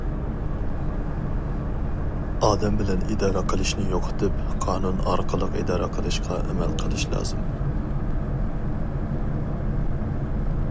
ئادەم بىلەن ئىدارە قىلىشنى يوقىتىپ، قانۇن ئارقىلىق ئىدارە قىلىشقا ئەمەل قىلىش لازىم.